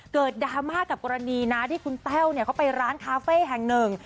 ดราม่ากับกรณีนะที่คุณแต้วเขาไปร้านคาเฟ่แห่งหนึ่ง